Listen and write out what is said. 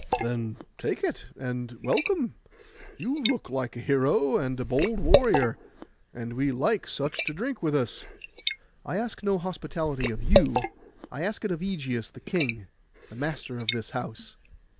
'Then take it, and welcome. You look like a hero and a bold warrior; and we like such to drink with us.' 'I ask no hospitality of you; I ask it of Ægeus the king, the master of this house.